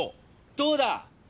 どうだ？